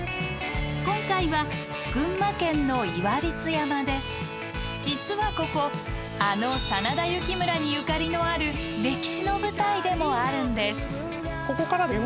今回は群馬県の実はここあの真田幸村にゆかりのある歴史の舞台でもあるんです。